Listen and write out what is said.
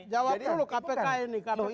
jawab perlu kpk ini